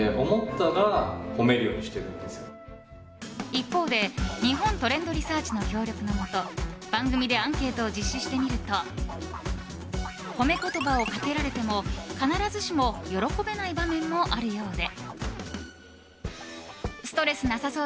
一方で日本トレンドリサーチの協力のもと番組でアンケートを実施してみると褒め言葉をかけられても必ずしも喜べない場面もあるようで。